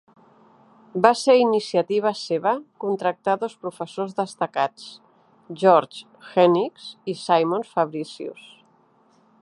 Va ser iniciativa seva contractar dos professors destacats: Georg Henisch i Simon Fabricius.